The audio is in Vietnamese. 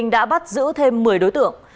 đã bắt giữ thêm một mươi đối tượng